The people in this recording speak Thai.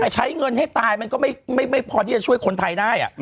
ใช้เงินให้ตายไม่พอที่จะช่วยคนไทยได้